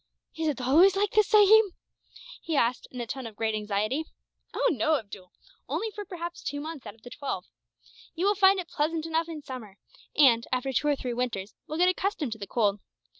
"Is it always like this, sahib?" he asked, in a tone of great anxiety. "Oh no, Abdool, only for perhaps two months out of the twelve. You will find it pleasant enough in summer and, after two or three winters, will get accustomed to the cold.